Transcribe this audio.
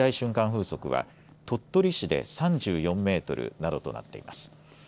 風速は鳥取市で３４メートルなどとなっています。